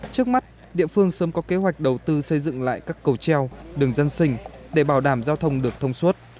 trước mắt địa phương sớm có kế hoạch đầu tư xây dựng lại các cầu treo đường dân sinh để bảo đảm giao thông được thông suốt